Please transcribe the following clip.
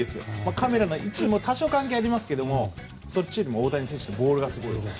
カメラの位置も多少関係ありますがそっちよりも大谷選手のボールがすごいですね。